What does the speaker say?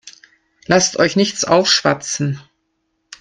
Lasst euch nichts aufschwatzen.